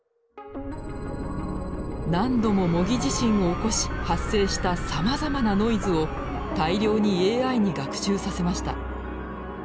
何度も模擬地震を起こし発生したさまざまなノイズを大量にＡＩに学習させました。